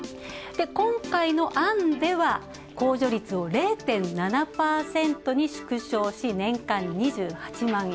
今回の案では、控除率を０．７％に縮小し年間２８万円。